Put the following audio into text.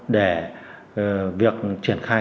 để việc triển khai